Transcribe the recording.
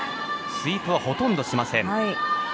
スイープはほとんどしません。